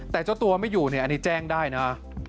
แต่เจ้าตัวไม่อยู่เนี่ยอันนี้แจ้งได้นะ